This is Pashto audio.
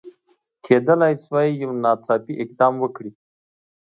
کېدلای سوای یو ناڅاپي اقدام وکړي.